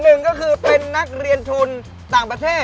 หนึ่งก็คือเป็นนักเรียนทุนต่างประเทศ